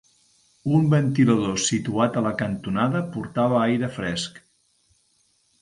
Un ventilador situat a la cantonada portava aire fresc.